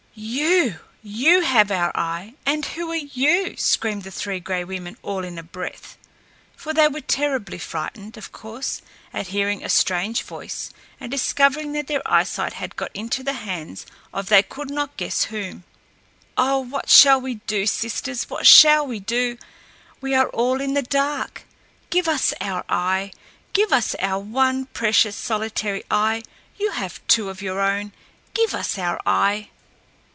"You! you have our eye! And who are you?" screamed the Three Gray Women all in a breath; for they were terribly frightened, of course, at hearing a strange voice and discovering that their eyesight had got into the hands of they could not guess whom. "Oh, what shall we do, sisters? what shall we do? We are all in the dark! Give us our eye! Give us our one precious, solitary eye! You have two of your own! Give us our eye!"